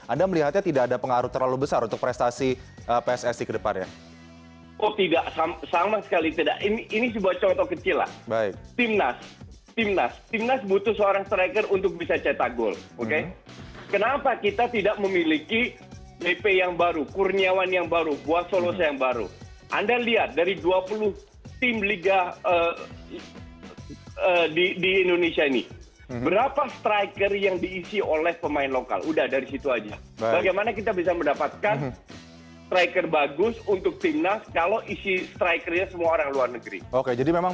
anda melihatnya tidak ada pengaruh terlalu besar untuk prestasi pssc ke depannya